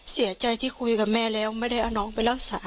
เสียใจที่คุยกับแม่แล้วไม่ได้เอาน้องไปรักษา